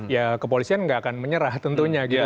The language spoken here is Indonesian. ya kepolisian nggak akan menyerah tentunya gitu